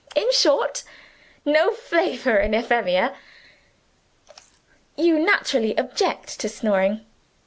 In short, no flavor in Euphemia. You naturally object to snoring.